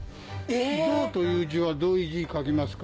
銅という字はどういう字書きますか？